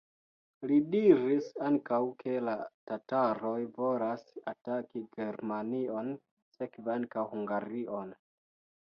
Li diris ankaŭ, ke la tataroj volas ataki Germanion, sekve ankaŭ Hungarion.